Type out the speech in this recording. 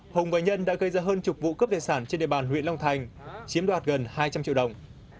hùng và nhân đã gây ra hơn chục vụ cướp tài sản trên địa bàn huyện long thành chiếm đoạt gần hai trăm linh triệu đồng